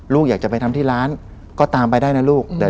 ลูกอยากจะไปทำที่ร้านก็ตามไปได้นะลูก